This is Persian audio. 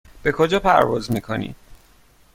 به کجا پرواز میکنید؟